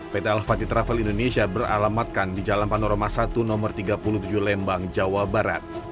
pt alfati travel indonesia beralamatkan di jalan panorama satu no tiga puluh tujuh lembang jawa barat